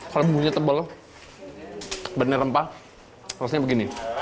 kalau bumbunya tebal benih rempah harusnya begini